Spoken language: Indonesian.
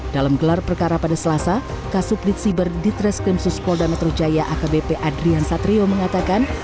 dalam gelar perkara pada selasa kasus penyidik siber ditres krimsus polda metro jaya akbp adrian satrio mengatakan